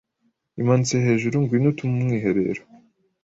imanitse hejuruNgwino utume umwiherero